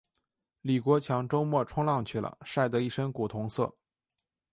李国强周末冲浪去了，晒得一身古铜色。